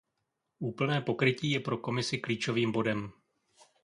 Úplné pokrytí je pro Komisi klíčovým bodem.